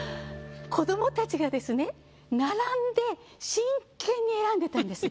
子どもたちがですね並んで真剣に選んでたんです。